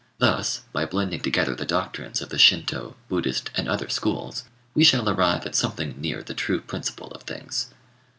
Thus, by blending together the doctrines of the Shintô, Buddhist, and other schools, we shall arrive at something near the true principle of things.